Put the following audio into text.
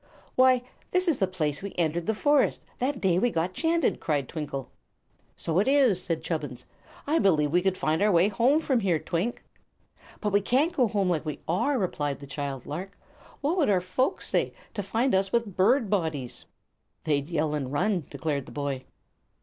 "Why, this is the place we entered the forest, that day we got 'chanted!" cried Twinkle. "So it is," said Chubbins. "I believe we could find our way home from here, Twink." "But we can't go home like we are," replied the girl lark. "What would our folks say, to find us with birds' bodies?" "They'd yell and run," declared the boy.